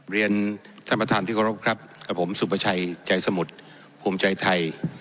เรียนท่านประธานที่เคารพครับกับผมสุประชัยใจสมุทรภูมิใจไทย